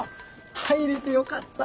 入れてよかった。